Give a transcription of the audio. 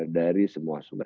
dari semua sumber